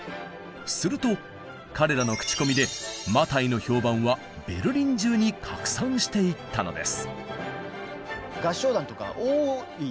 すると彼らの口コミで「マタイ」の評判はベルリン中に拡散していったのです。